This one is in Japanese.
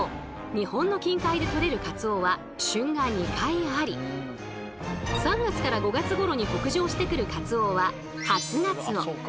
日本の近海でとれるカツオは旬が２回あり３月から５月頃に北上してくるカツオは「初ガツオ」。